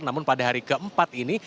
namun pada hari keempat ini